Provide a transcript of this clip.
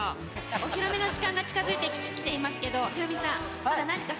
お披露目の時間が近づいて来ていますけどヒロミさん。